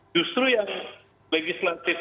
justru yang legislatif